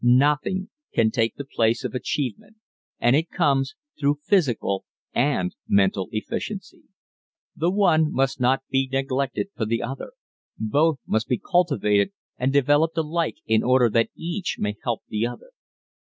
Nothing can take the place of achievement and it comes through physical and mental efficiency. The one must not be neglected for the other; both must be cultivated and developed alike in order that each may help the other.